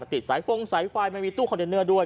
ติดสายฟงสายไฟมันมีตู้คอนเทนเนอร์ด้วย